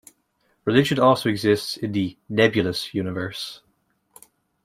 Religion also exists in the "Nebulous" universe.